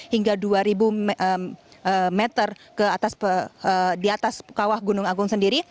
hingga dua ribu meter di atas kawah gunung agung sendiri